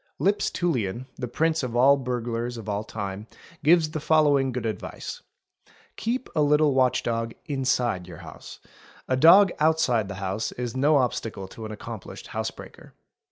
Lipps Tullian, the prince of all burglars of all time, gives the following good advice:— —" Keep a little watch dog wside your house; a dog outside the house is no obstacle to an accomplished house breaker''.